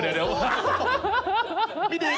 นี่ดิน